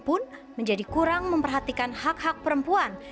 pun menjadi kurang memperhatikan hak hak perempuan